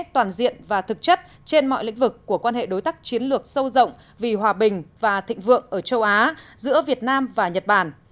toàn diện và thực chất trên mọi lĩnh vực của quan hệ đối tác chiến lược sâu rộng vì hòa bình và thịnh vượng ở châu á giữa việt nam và nhật bản